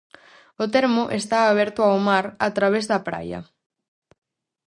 O termo está aberto ao mar a través da praia.